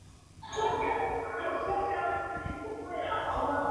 Posteriormente pasaría por varias prisiones militares.